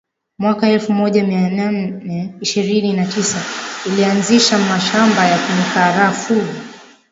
Mwaka elfu moja mia nane ishirini na tisa alianzisha mashamba ya mikarafuu